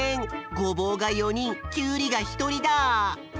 ごぼうが４にんきゅうりがひとりだ。